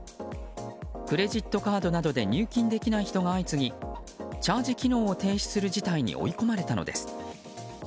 クレジットカードなどで入金できない人が相次ぎチャージ機能を停止する事態に追い込まれたのです。